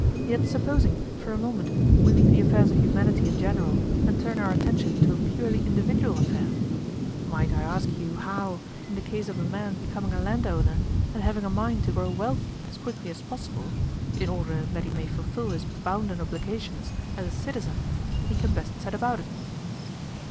Yet supposing, for a moment, we leave the affairs of humanity in general, and turn our attention to a purely individual affair, might I ask you how, in the case of a man becoming a landowner, and having a mind to grow wealthy as quickly as possible (in order that he may fulfil his bounden obligations as a citizen), he can best set about it?"